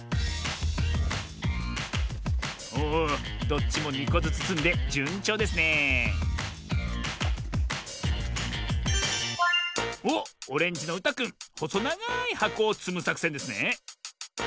おおどっちも２こずつつんでじゅんちょうですねえおっオレンジのうたくんほそながいはこをつむさくせんですね。